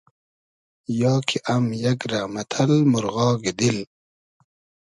یا کی ام یئگ رۂ مئتئل مورغاگی دیل